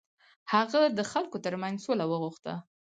هغه د خلکو تر منځ سوله وغوښته.